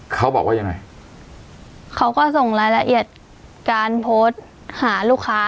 เขาบอกว่ายังไงเขาก็ส่งรายละเอียดการโพสต์หาลูกค้า